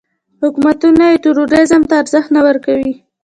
حکومتونه یې ټوریزم ته ارزښت نه ورکوي.